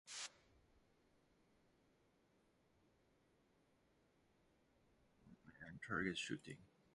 They are used in Civil War re-enacting, hunting and target shooting.